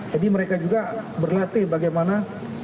mereka juga berlatih bagaimana